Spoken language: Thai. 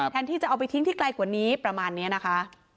ที่จะเอาไปทิ้งที่ไกลกว่านี้ประมาณนี้นะคะ